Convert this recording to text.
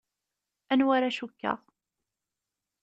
Anwa ara cukkeɣ?